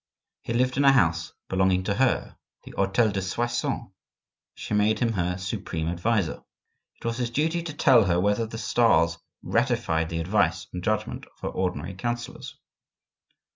He lived in a house belonging to her, the hotel de Soissons; she made him her supreme adviser. It was his duty to tell her whether the stars ratified the advice and judgment of her ordinary counsellors.